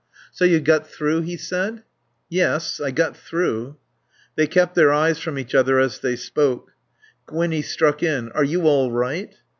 "So you got through?" he said. "Yes. I got through." They kept their eyes from each other as they spoke. Gwinnie struck in, "Are you all right?"